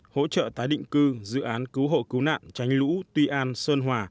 hỗ trợ tái định cư dự án cứu hộ cứu nạn tránh lũ tuy an sơn hòa